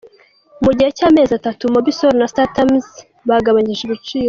Mu gihe cy’amezi atatu, Mobisol na Star Times bagabanyije ibiciro.